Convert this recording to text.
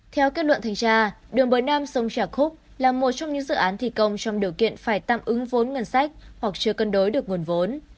theo kết luận thanh tra đường bờ nam sông trà khúc là một trong những dự án thi công trong điều kiện phải tạm ứng vốn ngân sách hoặc chưa cân đối được nguồn vốn